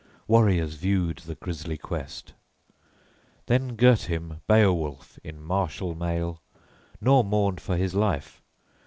Warriors viewed the grisly guest. Then girt him Beowulf in martial mail, nor mourned for his life.